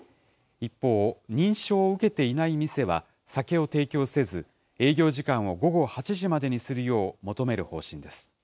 一方、認証を受けていない店は、酒を提供せず、営業時間を午後８時までにするよう求める方針です。